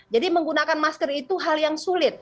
jadi menggunakan masker itu hal yang sulit